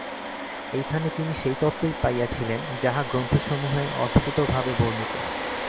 এইখানে তিনি সেই তত্ত্বই পাইয়াছিলেন, যাহা গ্রন্থসমূহে অস্ফুটভাবে বর্ণিত।